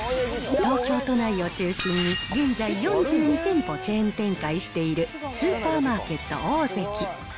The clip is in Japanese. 東京都内を中心に現在４２店舗チェーン展開しているスーパーマーケット、オオゼキ。